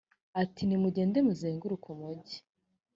ati nimugende muzenguruke umugi.